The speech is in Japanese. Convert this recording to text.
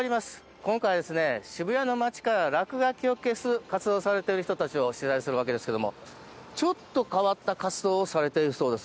今回は渋谷の街から落書きを消す活動をされている人たちを取材するわけですけどもちょっと変わった活動をされているそうです。